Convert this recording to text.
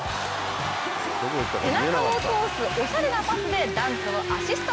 背中を通すおしゃれなパスでダンクをアシスト。